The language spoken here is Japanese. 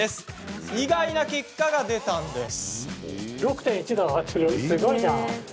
意外な結果が出たんです。